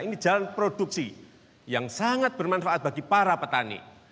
ini jalan produksi yang sangat bermanfaat bagi para petani